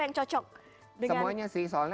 yang cocok semuanya sih soalnya